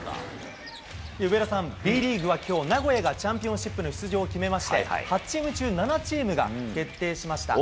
上田さん、Ｂリーグはきょう、名古屋がチャンピオンシップに出場を決めまして、８チーム中７チームが決定しました。